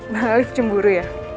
bang alief cemburu ya